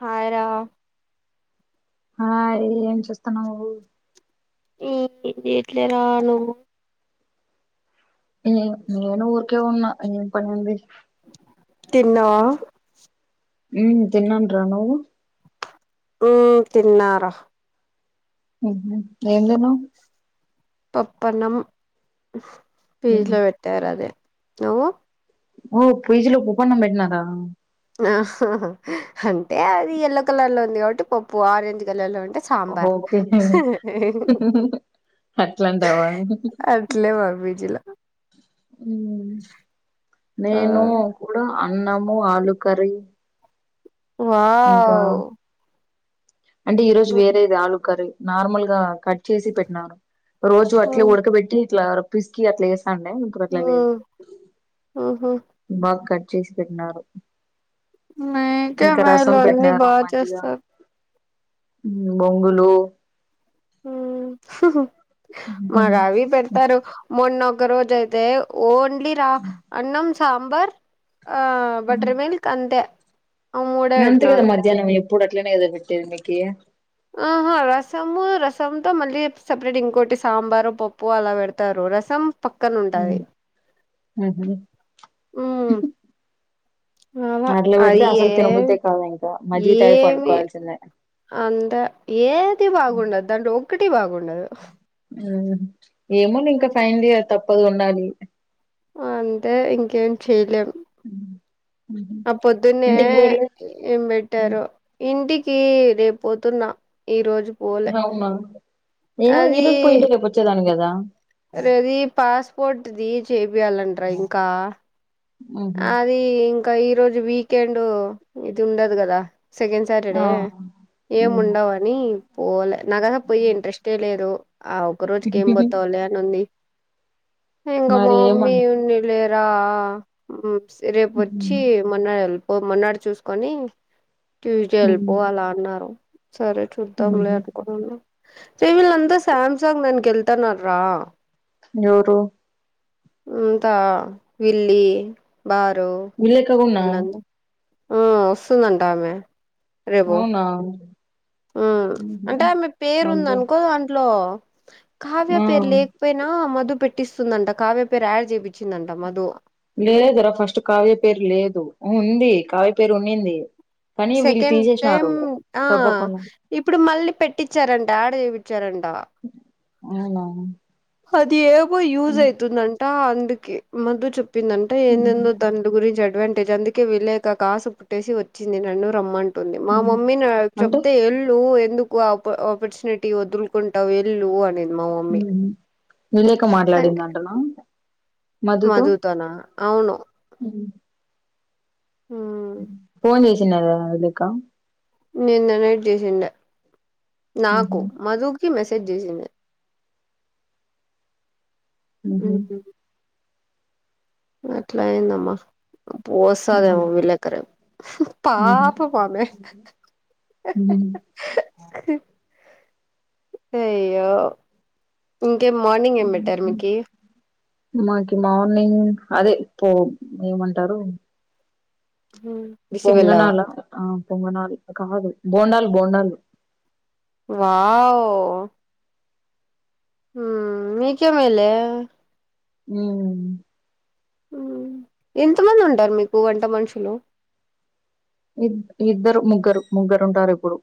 Hi రా hi ఏం చేస్తున్నావు ఈ ఎట్లా రా నువ్వు ఏ నేను ఊరుకే ఉన్నా ఏం పనుంది తిన్నావా ఊ తిన్నాంరా నువ్వు ఊ తిన్నారా ఊ ఏం తిన్నావ్ పప్పన్నం ఫ్రిడ్జ్ లో పెట్టారు అదె నువ్వు ఓ ఫ్రిజ్ లో పోపన్నం పెట్టినరా ఆ అంటే అది ఎల్లో కలర్ లో ఉంది కాబట్టి పప్పు ఆరెంజ్ కలర్ లో ఉంటే సాంబార్ ఓకే అట్లాంటావా అట్లే మా పిజిలా ఉ ఆ నేను కూడా అన్నము ఆలు కర్రీ ఇంకా వావ్ అంటే ఈ రోజు వేరేది ఆలూ కర్రీ నార్మల్ గా కట్ చేసి పెట్టినారు రోజూ అట్లే మ్మ్ ఉడకబెట్టి ఇట్లా పిసికి అట్లా ఏస్తాండే ఇప్పుడు అట్ల లేదు మ్మ్ మ్మ్ బాగ కట్ చేసి పెట్టినారు మాకే ఇంకా మా రసం [inaudible] అన్నీ పెట్టినారు బా మజ్జిగ చేస్తారు ఉమ్ బొంగులు మాకు అవీ పెడతారు మొన్నొక రోజైతే ఓన్లీ రా అన్నం సాంబార్ ఆ బటర్ మిల్క్ అంతే ఆ మూడే అంతే కదా పెట్టినారు మజ్జానం ఎప్పుడూ అట్లనే కదా నువ్వు పెట్టేది మీకి ఆహా రసము రసంతో మళ్ళీ సపరేట్ ఇంకోటి సాంబారో పప్పు అలా పెడతారు రసం పక్కన ఊ ఉంటది [unintelligible] ఊ అట్లా పెడితే అయ్యే అసలు తినబుద్దే కాదు ఇంకా మజ్జిగ తాగి ఏమి పండుకోవాల్సిందే అంతా ఏదీ బాగుండదు దాంట్లో ఒక్కటీ బాగుండదు ఊ ఏమోలే ఇంక ఫైన్లియర్ తప్పదు ఉండాలి అంతే ఇంకేం చెయ్ లేం ఊ ఆ పొద్దున్నే ఏం పెట్టారో ఇంటికి రేపు పోతున్నా ఈ రోజు పోలే ఏ ఈ రోజు పొయ్యుంటే రేపు వచ్చేదానివి కదా రేది పాస్ పోర్టుది చేపియాలంటరా ఇంకా ఊహూ ది ఇంకా ఈ రోజు వీకెండు ఇది ఉండదు కదా సెకండ్ ఆ సాటర్డే ఏం ఉమ్. ఉండవా నీ పోలే నాకు అస పొయ్యే ఇంట్రెస్టే లేదు ఆ ఒక రోజుకి ఏం పోతావులే అని ఉంది ఇంక మ మరి ఏమ మామ్మీ ఉన్నీలే రా రేపొచ్చి ఉమ్, మొన్నాడు ఎళ్ళిపో మొన్నాడు చూసుకొని ట్యూస్డే ఎళ్ళిపో ఉమ్, అలా అన్నారు సరే చూద్దాంలే ఉహు. అనుకున్నా రేయ్ వీళ్ళంతా సామ్సంగ్ దానికి ఎళ్తాన్నారు రా ఎవురు ఇంత విల్లి బారు విలేఖ కూడానా వీళ్ళంతా ఊమ్ వస్తుందంటామె అవునా ఊ ఊహూ అంటే ఆమె పేరు ఉంది అబ్బో అనుకో దాంట్లో కావ్య ఆ! పేరు లే పొయినా మధు పెట్టిస్తుందంట కావ్య పేరు యాడ్ చేపిచ్చిందంట మధు లేదురా ఫస్ట్ కావ్య పేరు లేదు ఊ ఉంది కావ్య పేరు ఉన్నింది కానీ వీళ్ళు సెకండ్ తీసేసినారు టైమ్ ఆ చెప్పకుండా. ఇప్పుడు మళ్ళీ పెట్టిచ్చారంట ఆడ చేపిచ్చారంట అవునా అది ఏమో యూజైతుందంట అందుకే మధు చెప్పిందన్ టే ఏందేందో హ్మ్ దండు గురించి అడ్వాంటేజ్ అందుకే వీళ్ళేకా కాసు పుట్టేసి వచ్చింది నన్నూ రమ్మం టుంది మా మమ్మీ నా అంటే చెప్తే ఎల్లు ఎందు కు ఆప ఆపర్చునిటీ వదులుకుంటావు ఎళ్ళు అనింది మా మమ్మీ హ్మ్ విలేక కానీ మాట్లాడిందంటనా మధుతోనా అవును ఉం ఉమ్ పోన్ చేసినదా [unintelligible] నిన్న నైట్ చేసిండ ఊహూ నాకు మధుకి మెసేజ్ చేసిండే హు ఊహూ హామ్ అట్లాయిందమ్మా పోసదేవ [unintelligible] హ్మ్ విళ్లేకర పాప మామే ఉం అయ్యో ఇంకేం మార్నింగ్ ఏం హ్మ్ పెట్టారు మీకి మాకి మార్నింగ్ అదే పో ఏమంటారు ఉం పొంగనాల ఆ పొంగనాలు కాదు బోండాల్ బోండాలు వావ్ ఉం మీకె మేలే ఉం ఉం ఎంత మంది ఉంటారు మీకు వంట మనుషులు ఇ ఇద్దరు ముగ్గురు ముగ్గురు ఉంటారు ఇప్పుడు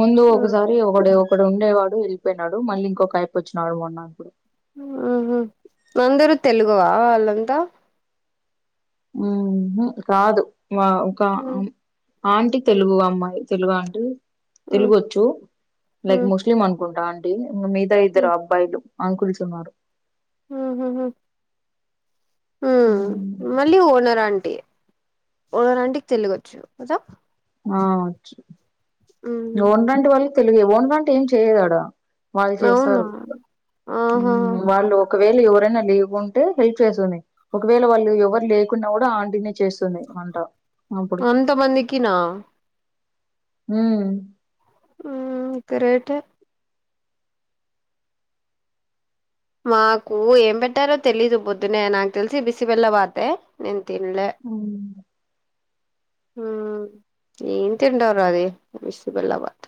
ముందు ఒకసారి ఒక ఒకడు ఉండేవాడు వెళ్ళిపోయినాడు మళ్ళీ ఇంకొక అయిపో వచ్చినడు మొన్నప్పుడు ఆహా అందరు తెలుగువా వాళ్ళంతా హు హామ్ కాదు ఒక ఉమ్ ఆంటీ తెలుగు అమ్మాయి తెలుగు ఆంటీ తెలుగు ఉమ్ వచ్చు లైక్ ఉమ్ మోస్ట్ అనుకుంటా ఆంటీ ఇంగ మిగతా ఉమ్ ఇద్దరు అబ్బాయిలు అంకుల్స్ ఉన్నారు హు హామ్ మళ్ళీ ఓనర్ అంటీ ఓనర్ అంటీ కి తెలుగొచ్చు కదా ఆ వచ్చు ఉమ్ ఓనర్ ఆంటీ వాళ్ళు తెలుగు ఓనర్ ఆంటీ ఏం చేయదు ఆడా వాళ్ళు అవునా చేస్తారు ఉం ఆహా వాళ్ళు ఒకవేళ ఎవరైనా లీవ్కుంటే హెల్ప్ చేస్తుంది ఒకవేళ వాళ్ళు ఎవరు లేకున్నా కూడా ఆంటినే చేస్తుంది వంట అప్పుడు అంత మందికి నా ఉం ఉం గ్రేట్ ఏ మాకు ఏం పెట్టారో తెలిదు పొద్దునే నాకు తెలిసి బిసి బిళ్ళ బాతే నేను తినలే ఉం ఉం ఏం తింటావురా అది బిసి బిల్లాబాద్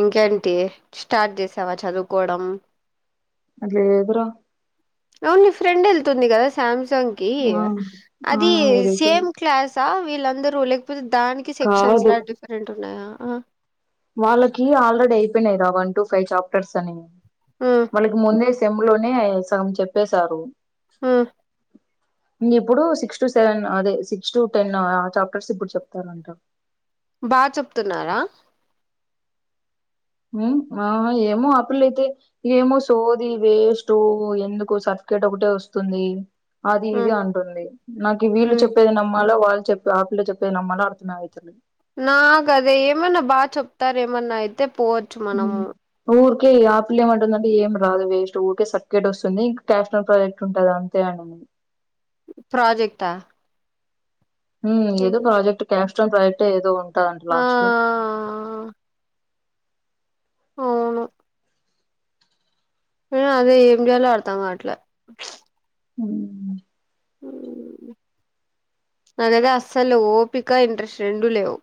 ఇంకేంటి స్టార్ట్ చేసావా చదువుకోవడం అది లేదురా అవును నీ ఫ్రెండ్ వెళ్తుంది కదా సామ్సంగ్ కి ఆ ఆ అది వెళ్తుంది సేమ్ క్లాస్ వీళ్ళందరూ లేకపోతే దానికి సెక్షన్స్ కాదు లా డిఫరెంట్ ఉన్నాయా వాళ్ళకి ఆల్రెడీ అయిపోయినాయిరా వన్ టు ఫైవ్ చాప్టర్స్ అని హ్మ్ వాళ్ళకి ముందే సెమ్ లోనే సగం చెప్పేశారు హ్మ్ ఇంగ ఇప్పుడు సిక్స్ టు సెవెన్ అదే సిక్స్ టు టెన్ ఆ చాప్టర్స్ ఇప్పుడు చెప్తారంట బాగా చెప్తున్నారా ఆ ఏమో ఆప్పులైతే [unintelligible] ఏమో సోది వేస్ట్ ఎందుకు సర్ఫికేట్ ఒకటే వస్తుంది అది హ్మ్ ఇది అంటుంది నాకు వీళ్ళు హ్మ్ చెప్పేది నమ్మాలో వాళ్ళు చెప్ ప్రాబ్లం చెప్తే నమ్మాలా అర్థమైతలే నాగదేమన్నా బాచెప్తారెమన్నైతే పో ఉమ్ ఊర్కే ఆపిల్లేంమంటుందండీ ఏంరాదది జస్ట్ ఊర్కే సర్కెట్ ఒస్తుంది [unintelligible] ప్ [unintelligible] ఉంటుంద అంట అంతే అండి ప్రాజెక్టా హూమ్ ఏదో ఎందు ప్రాజెక్ట్ క్యాస్టమ్ ప్రాజెక్టేదో ఉంటందంట ఆ లాస్ట్లో ఔను ఏ అదే ఏం‌ జెయాలో అర్దం గాట్లె ఉమ్ ఊ నాదగ్గర అస్సలెవ్ ఓపిక ఇంట్రెస్ట్ రెండూ లేవు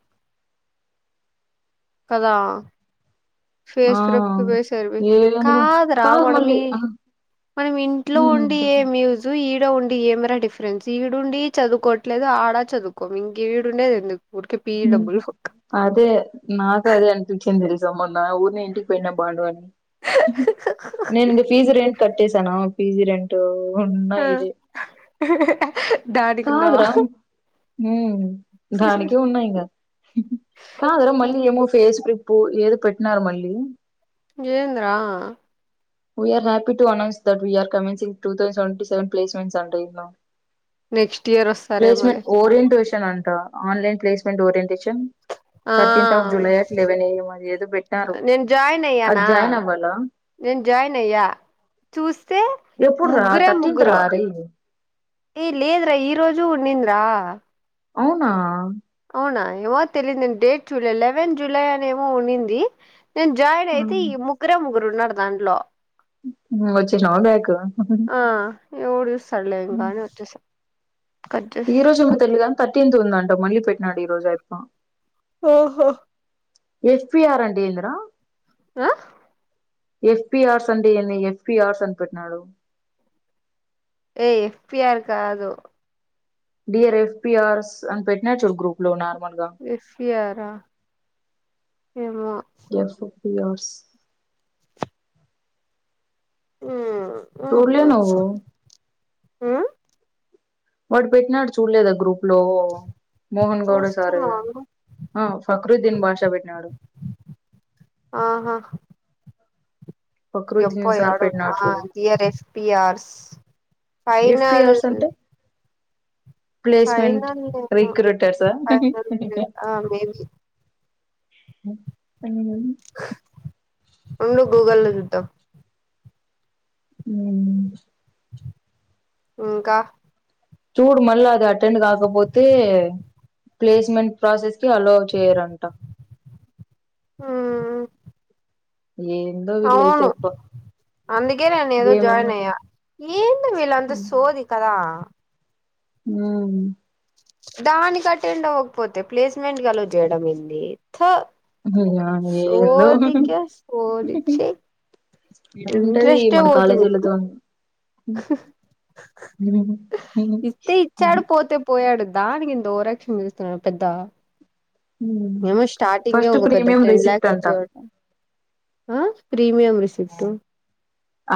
కదా ఆ ఫేస్ ప్రపుకి పోయయి స ఏందో కాదు రా మళ్ళీ వనమి ఆ మనం ఇంట్లో ఉమ్ ఉండి ఏ చెప్పండి మ్యూజిక్ నువు ఈడ ఉండి ఏమ్రా డిఫ్రెన్స్ ఈడుండీ చదువుకోట్లేదు ఆడ చదువుకోవు ఇంక ఈడుండేదెందుకు ఊర్కే పీ ఉమ్ డబ్బుల్ బొక్క అదే నాకు అదే అనిపిచింది తెలుసా మొనా ఊర్నే ఇంటికి పోయినా బాండు అని నేను పీజీ రెట్ కట్టేసాను పీజీ రెంట్ ఉన్నా ఆ ఇది డాడీకున్నావా కాదురాం ఉం దానికి ఉన్నాయి ఇంగ కాదురా మళ్ళీ ఏమో ఫేస్ క్రిప్పు ఏదో పెట్టినరు మళ్ళీ ఏంద్రా we are happy to announce that we are commencing two thousand seventy డిసెవెన్ placements అండి నెక్స్ట్ ఇయర్స్తు ప్లేస్మెంట్ ఓరియంటేషన్ అంట ఆన్లైన్ ప్లేస్మెంట్ ఓరియంటేషన్ ఆ thirteenth of July at eleven AM అని ఏదో పెట్టారు అది జాయిన్ అవ్వాలా నేన్ జాయిన్ అయ్యా చూస్తే ఎప్పుడు రా ముగ్గురే థర్టీన్త్ ముగ్గురు రా రేయ్ ఏ లేదురా ఈ రోజు ఉండింద్రా అవునా అవునా ఏమో తెలిద్ నేన్ డేట్ చులే లెవన్ జూలై అని ఏమో ఉండింది నేన్ జాయిన్ అయితే హ్మ్ ఈ ముగ్గురే ముగ్గురున్నారు దాంట్లో వచ్చినవ బ్యాక్ ఆ ఎవ్డుచుస్గాని ఒచేసా ఈ రోజు గుడ తెలిదా తర్టీన్త్ న ఉందంట మళ్లి పెట్నాడు ఈ రోజా ఐప్ప ఓహో ఎఫ్పీఆర్ అంటేందిర ఆ ఎఫ్పిఆర్స్ అండేంది ఎఫ్మీఆర్స్ అన్పట్ట్న్నాడు ఏఎఫ్పీఆర్ కాదు డిఆర్ ఎఫ్ పి ఆర్స్ అన్పెట్టిన చూడ్ గ్రూప్లో నార్మల్గా ఎఫ్పీఆరా ఏమో ఎఫ్ ఫర్ ఫ్యర్స ఊమ్ చూడలే ఉఉ నువ్వు అ వడు పెట్టినాడు చూడ్లేదా గ్రప్ లో మోహన్ గౌడ సారు చూస్తున్నాను ఆ ఫక్రద్దీన్ భాష పెట్టినాడు. ఆహా! ఎప్ప ఫక్రుద్దీన్ సార్ పెట్టినాడు యాడున్నార్ చూడు dear F P R final FPRs అంటే ప్లేస్మెంట్ ఫైనల్ ఏమో రిక్రూటర్సా ఫైనల్ ఆ మేబి మ్ ఉండు గూగల్ లో చుద్దాం మ్ ఇంకా చూడు మళ్ళా అది అటెండ్ కాకపోతే ప్లేస్మెంట్ ప్రాసెస్ కి అలవ్ చేయరంట మ్ ఏందో వీళ్లైతే అబ్బా అందుకే నేను ఏదో ఏమేమో జాయిన్ చే అయ్యా ఏంటో వీళ్ళు అంతా సోది కదా మ్ దానికి అటెండ్ అవ్వకపోతే ప్లేస్మెంట్ అలవ్ చేయడం ఏంది తూ ఏందో సోదికే సోది ఛీ ఎట్లుంటది ఇంట్రెస్టే మన పోతుంది. కాలేజీలతోని ఇస్తే ఇచ్చాడు పోతే పోయాడు దానికి ఇంత ద ఓవరాయాక్షన్ చేస్తున్నాడు పెద్ద ఏమో స్టార్టింగే ఫస్ట్ ఒక పెద్ద ప్రీమియం టెన్ రిసిప్ట్ ల్యాక్స్ అంట ఇ ఆ ప్రీమియం రీసిప్ట్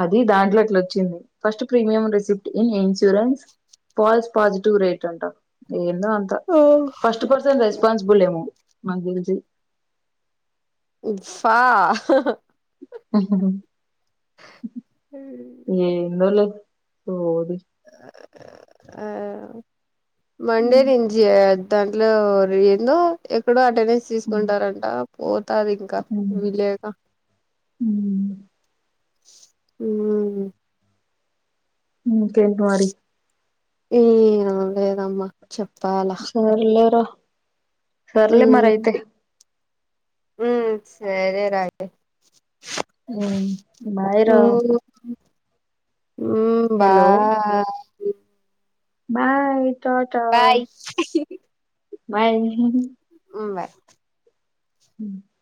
అది దాంట్లో అట్లా వచ్చింది first premium receipt, insurance pass positive rate అంటాం ఏందో ఫస్ట్ పర్సన్ రెస్పాన్సిబుల్ ఏమో నాకు తెల్సి ఫా హ్ హ్ హి ఏందో లే సోది ఆ మండేనుంచి దాంట్లో ఏందో ఎక్కడో అటెండెన్స్ తీసుకుంటారంట. పోతాది ఇంకా వీళ్లైన మ్ ఇంకేంటి మరి ఏం లేదమ్మా. చెప్పు సర్లే రా సర్లే మరి అయితాయి మ్ సరే రా అయితే బాయ్ రో హు మ్ hello bye bye Tata bye bye మ్ బాయ్ ఉ